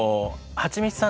はちみつさん。